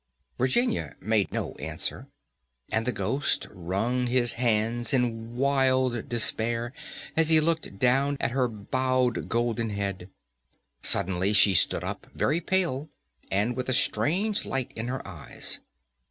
Virginia made no answer, and the ghost wrung his hands in wild despair as he looked down at her bowed golden head. Suddenly she stood up, very pale, and with a strange light in her eyes.